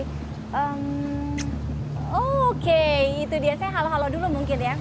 hmm oke itu dia saya halo halo dulu mungkin ya